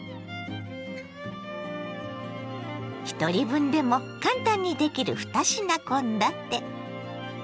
ひとり分でも簡単にできる２品献立。